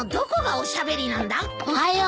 おはよう。